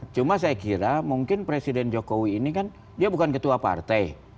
cuma saya kira mungkin presiden jokowi ini kan dia bukan ketua partai